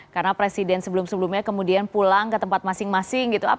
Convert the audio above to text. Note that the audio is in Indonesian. karena presiden sebelum sebelumnya kemudian pulang ke tempat masing masing gitu